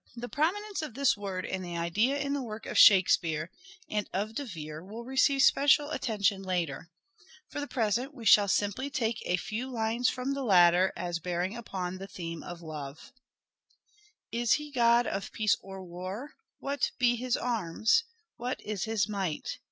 The prominence of this word and idea in the work of " Shakespeare " and of De Vere will receive special attention later : for the present we shall simply take a few lines from the latter as bearing upon the theme of Love : "Is he god of peace or war ? What be his arms ? What is his might